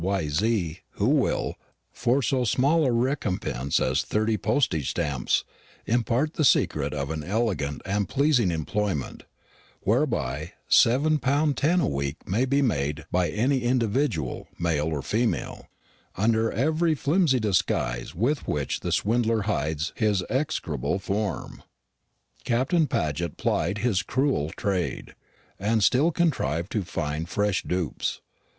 Y.Z. who will for so small a recompense as thirty postage stamps impart the secret of an elegant and pleasing employment, whereby seven pound ten a week may be made by any individual, male or female; under every flimsy disguise with which the swindler hides his execrable form, Captain Paget plied his cruel trade, and still contrived to find fresh dupes.